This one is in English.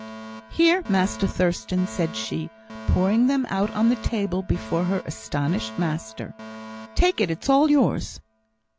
"Here, Master Thurstan," said she, pouring them out on the table before her astonished master. "Take it, it's all yours."